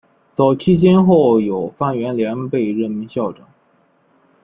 早期先后有范源濂被任命校长。